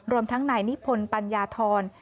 รวมทั้งนายนิพนธ์ปัญญาธร